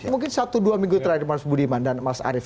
mungkin satu dua minggu terakhir mas budiman dan mas arief